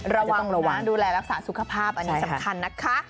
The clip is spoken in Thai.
ระวังหรือว่าดูแลรักษาสุขภาพอันนี้สำคัญนะคะ